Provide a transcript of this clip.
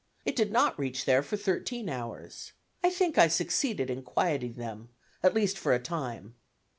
It did not reach there for thirteen hours. I think I succeeded in quieting them, at least for a time.